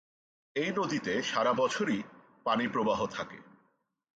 এই নদীতে সারা বছরই পানিপ্রবাহ থাকে।